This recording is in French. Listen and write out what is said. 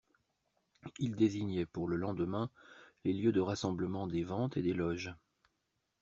Il désignait, pour le lendemain, les lieux de rassemblement des Ventes et des Loges.